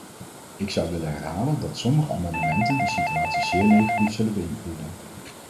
Ik zou willen herhalen dat sommige amendementen de situatie zeer negatief zullen beïnvloeden.